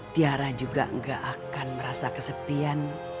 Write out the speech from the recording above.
tiara juga gak akan merasa kesepian